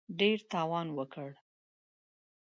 ډېر تاوان وکړ.